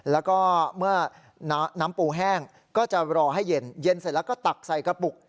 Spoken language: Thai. แล้วก็เมื่อน้ำปูแห้งก็จะรอให้เย็นเสร็จแล้วก็ตักใส่กระปุก